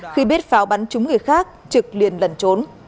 khi biết pháo bắn trúng người khác trực liền lẩn trốn